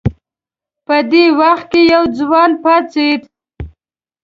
په دې وخت کې یو ځوان پاڅېد.